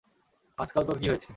আজকাল তোর কি হয়েছে!